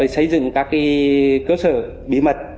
xây dựng các cơ sở bí mật